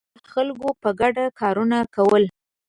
د کلي خلکو په ګډه کارونه کول.